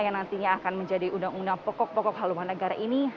yang nantinya akan menjadi undang undang pokok pokok haluan negara ini